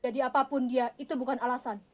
jadi apapun dia itu bukan alasan